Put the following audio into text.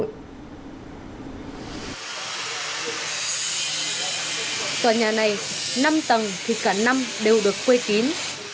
tòa nhà này năm tầng thì cả năm đều được quê kín